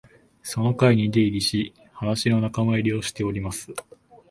その会に出入りし、話の仲間入りをしております